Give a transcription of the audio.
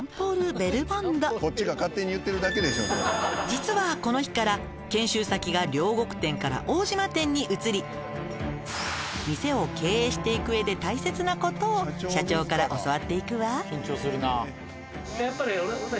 「実はこの日から研修先が両国店から大島店に移り店を経営していく上で大切なことを社長から教わっていくわ」